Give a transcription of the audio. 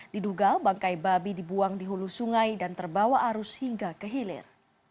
diduga bangkai babi dibuang di hulu sungai dan terbawa arus hingga ke hilir